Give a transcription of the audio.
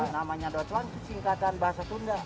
namanya do celang itu singkatan bahasa tunda